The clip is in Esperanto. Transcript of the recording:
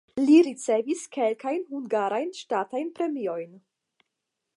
Li ricevis kelkajn hungarajn ŝtatajn premiojn.